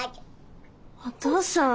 お義父さん。